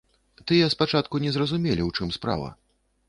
Тыя спачатку не зразумелі, у чым справа.